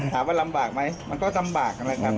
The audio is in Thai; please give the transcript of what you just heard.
ถามว่าลำบากไหมมันก็ลำบากนะครับ